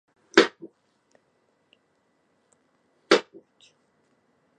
群馬県神流町